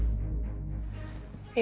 ya boleh aja sih